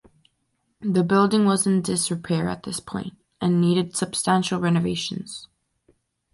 The building was in disrepair at this point and needed substantial renovations.